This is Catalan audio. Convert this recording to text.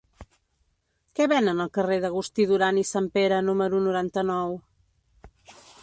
Què venen al carrer d'Agustí Duran i Sanpere número noranta-nou?